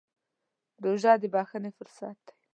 روژه د بښنې فرصت دی.